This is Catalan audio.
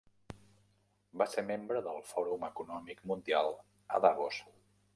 Va ser membre del Fòrum Econòmic Mundial a Davos.